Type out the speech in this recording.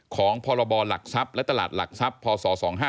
ของพรบหลักทรัพย์และตลาดหลักทรัพย์พศ๒๕๖